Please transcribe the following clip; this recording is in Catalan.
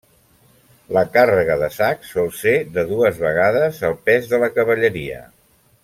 La càrrega de sacs sol ser de dues vegades el pes de la cavalleria.